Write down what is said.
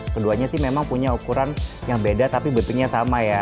keduanya sih memang punya ukuran yang beda tapi bentuknya sama ya